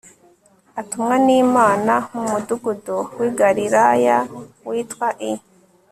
atumwa n imana mu mudugudu w i galilaya witwa i